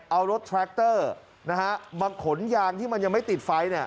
เอารถแทรคเตอร์มาขนยางที่มันยังไม่ติดไฟ